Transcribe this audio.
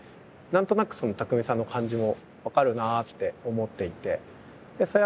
何となく工さんの感じも分かるなあって思っていて。